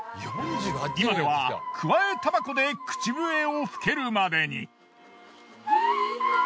今ではくわえタバコで口笛を吹けるまでに。